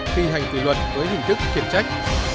thi hành kỷ luật với hình thức kiểm trách